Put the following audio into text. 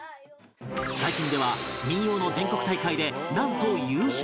最近では民謡の全国大会でなんと優勝